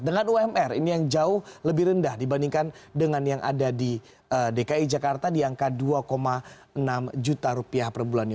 dengan umr ini yang jauh lebih rendah dibandingkan dengan yang ada di dki jakarta di angka dua enam juta rupiah per bulannya